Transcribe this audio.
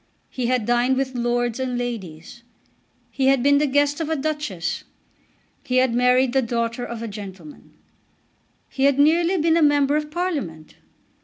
He had dined with lords and ladies. He had been the guest of a Duchess. He had married the daughter of a gentleman. He had nearly been a member of Parliament.